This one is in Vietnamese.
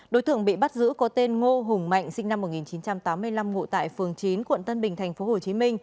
đối tượng bị bắt giữ có tên ngô hùng mạnh sinh năm một nghìn chín trăm tám mươi năm ngụ tại phường chín quận tân bình tp hcm